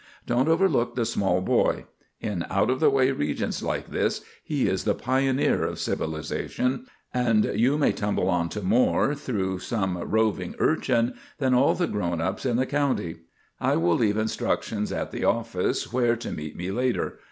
Don't overlook the small boy. In out of the way regions like this he is the pioneer of civilisation and you may tumble on to more through some roving urchin than all the grown ups in the county. I will leave instructions at the office where to meet me later.